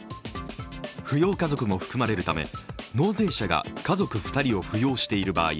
扶養家族も含まれるため納税者が家族２人を扶養している場合